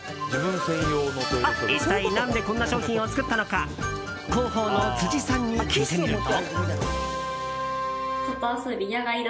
一体、何でこんな商品を作ったのか広報の辻さんに聞いてみると。